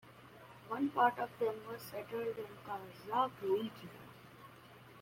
One part of them was settled in Kazakh region.